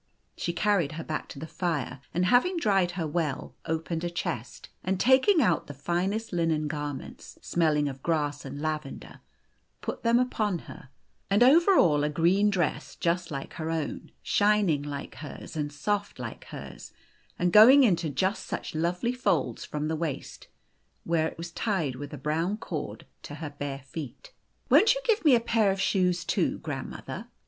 She carried her back to the fire, and, having dried her well, opened a chest, and taking out the finest linen garments, smell ing of grass and lavender, put them upon her, and over all a green dress, just like her own, shining like hers, and soft like hers, and going into just such lovely folds from the waist, where it was tied with a brown cord, to her bare feet. "Won't you give me a pair of shoes too, grand mother